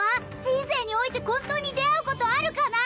人生において混沌に出会うことあるかな？